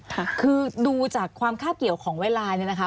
ค่ะคือดูจากความคาบเกี่ยวของเวลาเนี่ยนะคะ